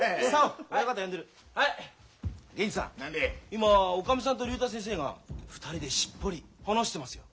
今おかみさんと竜太先生が２人でしっぽり話してますよ。